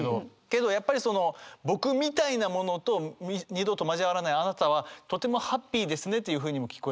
けどやっぱりその僕みたいな者と二度と交わらないあなたはとてもハッピーですねというふうにも聞こえるんですよね。